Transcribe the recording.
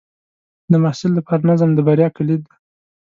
د محصل لپاره نظم د بریا کلید دی.